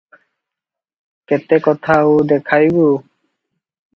କେତେକଥା ଆଉ ଦେଖାଇବୁ?